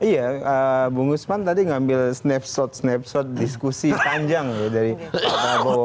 iya bung usman tadi ngambil snapshot snapshot diskusi panjang dari pak prabowo